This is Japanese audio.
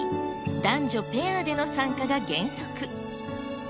男女ペアでの参加が原則。